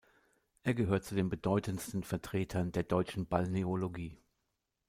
Er gehört zu den bedeutendsten Vertretern der deutschen Balneologie.